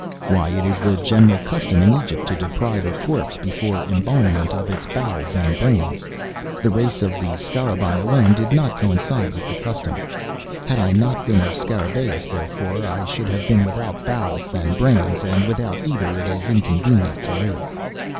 "Why, it is the general custom in Egypt to deprive a corpse, before embalmment, of its bowels and brains; the race of the Scarabaei alone did not coincide with the custom. Had I not been a Scarabeus, therefore, I should have been without bowels and brains; and without either it is inconvenient to live."